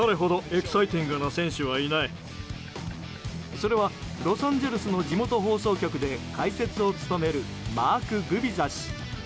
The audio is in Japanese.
それは、ロサンゼルスの地元放送局で解説を務めるマーク・グビザ氏。